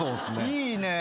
いいね。